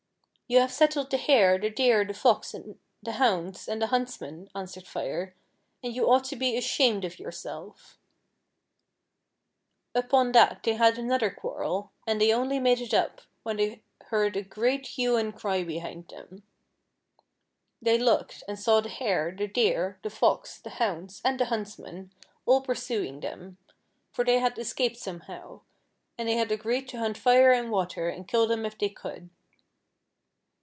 " You have settled the Hare, the Deer, the Fox, the hounds, and the huntsmen," answered Fire, " and you ought to be ashamed of \ ourself" Uj)on that they had another quarrel, and they only made it up when they heard a great hue and cry behind them. They looked, and saw the Hare, the Deer, the Fox, the hounds, and the huntsmen all pursuing them, for they had escaped somehow, and they had agreed to hunt Fire and Water and kill them if they could.